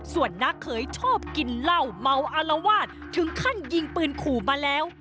ส่วนนักเขยชอบกินเหล้าเมาอารวาสถึงขั้นยิงปืนขู่มาแล้ว